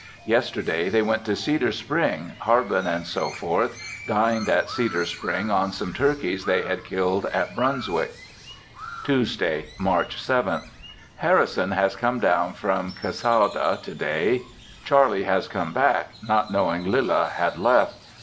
Yesterday they went to Cedar Spring, Harbin, &c. dined at Cedar Spring on some turkeys they had killed at Brunswick. Tuesday, March 7th. Harrison has come down from Cassawda to day. Charlie has come back, not knowing Lilla had left.